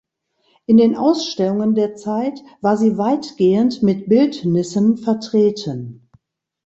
In den Ausstellungen der Zeit war sie weitgehend mit Bildnissen vertreten.